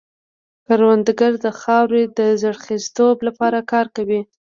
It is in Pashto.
کروندګر د خاورې د زرخېزتوب لپاره کار کوي